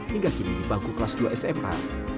hingga kini di bangku kelas dua sma